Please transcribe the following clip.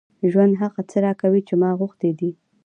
ژوند هغه څه راکوي چې ما غوښتي دي.